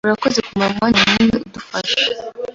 Urakoze kumara umwanya munini udufasha.